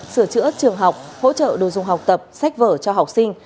sửa chữa trường học hỗ trợ đồ dùng học tập sách vở cho học sinh